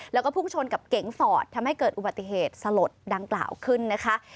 แล้วก็พุ่งชนกับเก๋งฟอร์ดทำให้เกิดอุบัติเหตุสลดดังกล่าวขึ้นนะคะ